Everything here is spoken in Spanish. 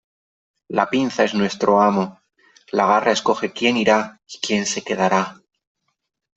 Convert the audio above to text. La pinza es nuestro amo . La garra escoge quién irá y quien se quedará .